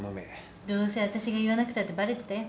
どうせ私が言わなくたってバレてたよ。